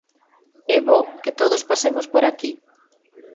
É bo que todos pasemos por aquí.